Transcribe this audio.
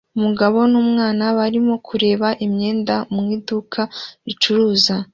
Umugabo n'umwana barimo kureba imyenda mu iduka ricuruza